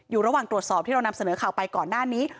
อยู่ระหว่างตรวจสอบที่เรานำเสนอข่าวไปก่อนหน้านี้